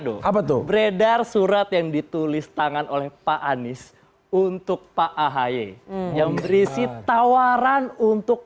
dong apa tuh beredar surat yang ditulis tangan oleh pak anies untuk pak ahy yang berisi tawaran untuk